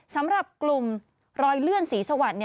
สำหรับกลุ่มรอยเลื่อนศรีสวรรค์